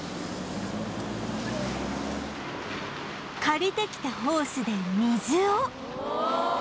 借りてきたホースで水を